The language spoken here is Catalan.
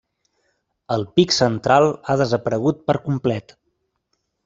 El pic central ha desaparegut per complet.